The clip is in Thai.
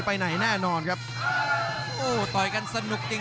รับทราบบรรดาศักดิ์